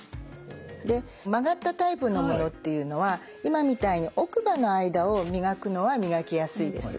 で曲がったタイプのものっていうのは今みたいに奥歯の間を磨くのは磨きやすいです。